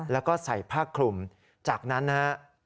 แล้วก็ใส่ผ้าคลุมจากนั้นนะฮะ